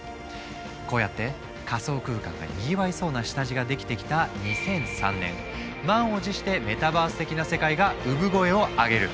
こうやって仮想空間がにぎわいそうな下地ができてきた２００３年満を持してメタバース的な世界が産声を上げる。